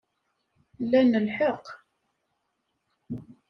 Lan lḥeqq.